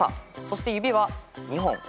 そして指は２本。